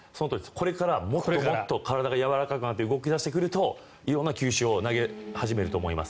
これからもっともっと体がやわらかくなって動き出してくると色んな球種を投げ始めると思います。